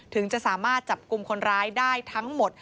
ถึงจะสามารถจับกลุ่มคนร้ายได้ทั้งหมด